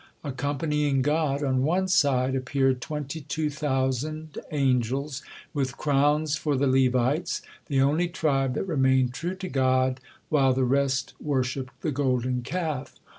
Accompanying God on one side, appeared twenty two thousand angels with crowns for the Levites, the only tribe that remained true to God while the rest worshipped the Golden Calf.